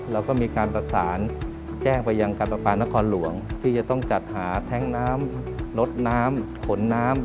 เราก็มีการประสานแจ้งไปยังการประปานครหลวงที่จะต้องจัดหาแท้งน้ำลดน้ำขนน้ำ